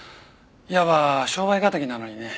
いわば商売敵なのにね。